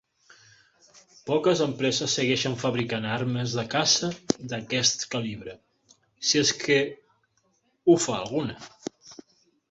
Poques empreses segueixen fabricant armes de caça d'aquest calibre, si és que ho fa alguna.